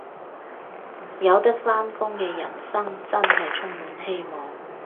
有得返工嘅人生真係充滿希望